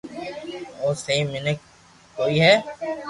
تو سھي مينک ڪوئي ھي